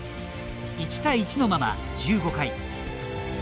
１対１のまま１５回。